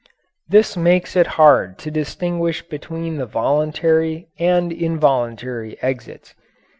This makes it hard to distinguish between the voluntary and involuntary exits.